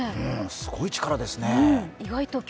すごい力ですね。